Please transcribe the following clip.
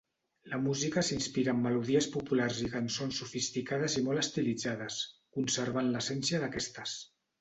La música s'inspira en melodies populars i cançons sofisticades i molt estilitzades, conservant l'essència d'aquestes.